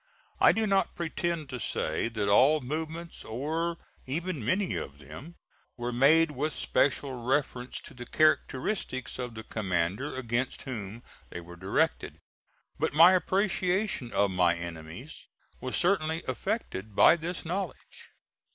I do not pretend to say that all movements, or even many of them, were made with special reference to the characteristics of the commander against whom they were directed. But my appreciation of my enemies was certainly affected by this knowledge.